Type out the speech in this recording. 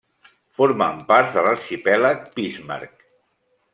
Formen part de l'Arxipèlag Bismarck.